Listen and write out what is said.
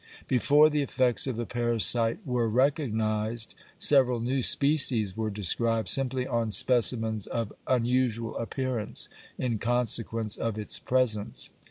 Before the effects of the parasite were recognized, several new species were described simply on specimens of unusual appearance in consequence of its presence.